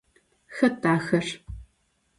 Xet daxer?